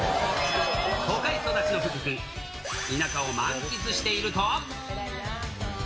都会育ちの福君、田舎を満喫していると。